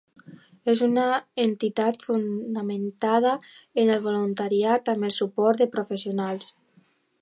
És una entitat fonamentada en el voluntariat amb el suport de professionals.